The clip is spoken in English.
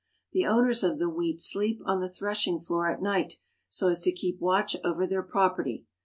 The owners of the wheat sleep on the threshing floor at night so as to keep watch over their property.